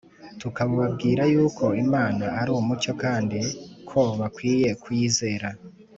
tukabubabwira yuko Imana ari umucyo kandi ko bakwiye kuyizera